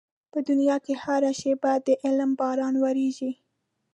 په دنيا کې هره شېبه د علم باران ورېږي.